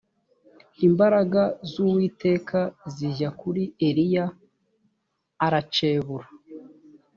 imbaraga z uwiteka zijya kuri eliya aracebura